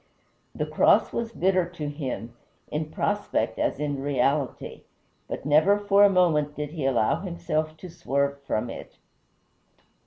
The cross was bitter to him, in prospect as in reality, but never for a moment did he allow himself to swerve from it.